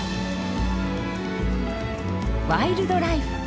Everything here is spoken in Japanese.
「ワイルドライフ」。